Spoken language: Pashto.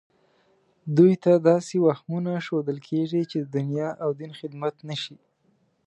دوی ته داسې وهمونه ښودل کېږي چې د دنیا او دین خدمت نه شي